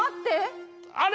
あれ？